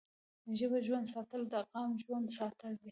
ژبه ژوندی ساتل د قام ژوندی ساتل دي.